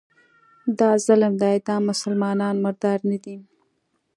دا ظلم دی، دا مسلمانان مردار نه دي